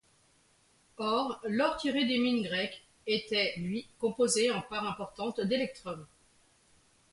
Or, l'or tiré des mines grecques était lui composé en part importante d'électrum.